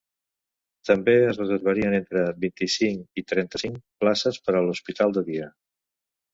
També es reservarien entre vint-i-cinc i trenta-cinc places per a l’hospital de dia.